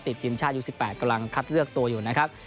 ติดทีมชาติอยู่๑๘กำลังคัดเลือกตัวอยู่นะครับ